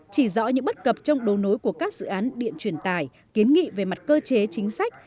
chỉ rõ những bất cập trong đấu nối của các dự án điện truyền tài kiến nghị về mặt cơ chế chính sách